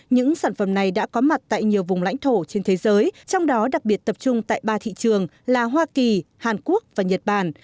những sản phẩm này đã có mặt tại nhiều vùng lãnh thổ trên thế giới trong đó đặc biệt tập trung tại ba thị trường là hoa kỳ hàn quốc và nhật bản